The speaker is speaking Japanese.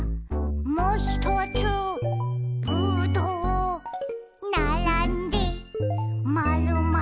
「もひとつぶどう」「ならんでまるまる」